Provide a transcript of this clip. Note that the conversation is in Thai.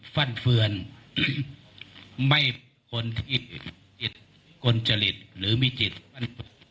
ฟันเฟือนไม่คนที่มีจิตกลจริตหรือมีจิตฟันเฟือน